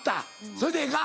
それでええか？